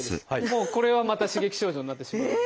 もうこれはまた刺激症状になってしまうので。